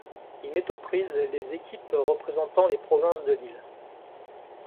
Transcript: Il met aux prises les équipes représentant les provinces de l'île.